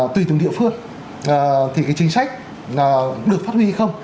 tùy từng địa phương thì cái chính sách được phát huy hay không